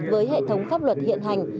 với hệ thống pháp luật hiện hành